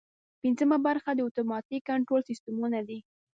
پنځمه برخه د اتوماتیک کنټرول سیسټمونه دي.